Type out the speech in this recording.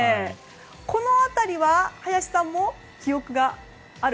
この辺りは林さんも記憶がある？